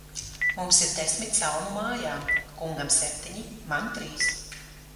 Mums ir desmit salmu mājā; kungam septiņi, man trīs.